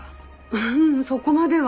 ううんそこまでは。